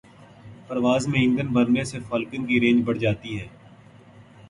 پرواز میں ایندھن بھرنے سے فالکن کی رینج بڑھ جاتی ہے۔